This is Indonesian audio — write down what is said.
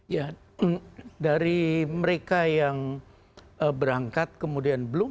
ya dari mereka yang berangkat kemudian belum